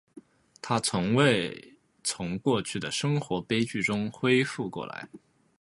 她从未从过去的生活悲剧中恢复过来。